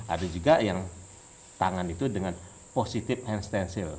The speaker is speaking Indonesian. ada juga yang tangan itu dengan positive hand stencil